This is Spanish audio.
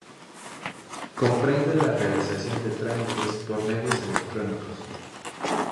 Comprende la realización de trámites por medios electrónicos.